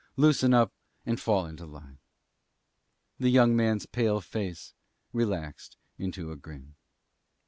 Loosen up and fall into line." The young man's pale face relaxed into a grin.